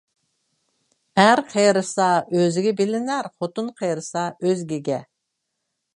ئەر قېرىسا ئۆزىگە بىلىنەر، خوتۇن قېرىسا ئۆزگىگە.